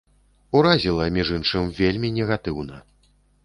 Уразіла, між іншым, вельмі негатыўна.